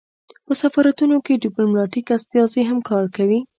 په سفارتونو کې ډیپلوماتیک استازي هم کار کوي